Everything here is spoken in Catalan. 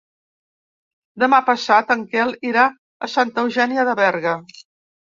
Demà passat en Quel irà a Santa Eugènia de Berga.